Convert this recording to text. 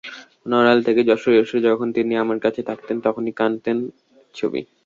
নড়াইল থেকে যশোর এসে যখন তিনি আমার কাছে থাকতেন, তখনই আঁকতেন ছবি।